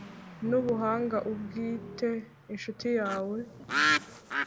Nubuhanga ubwite incuti yawe